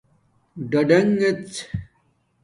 ڈِٹیڎ